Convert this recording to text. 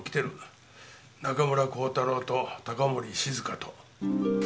中村光太郎と高森静香と。